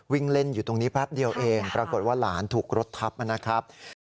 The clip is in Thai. วิ่งเล่นอยู่ตรงนี้แป๊บเดียวเองปรากฏว่าหลานถูกรถทับนะครับ